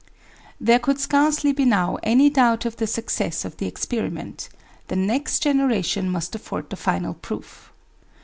There could scarcely be now any doubt of the success of the experiment; the next generation must afford the final proof.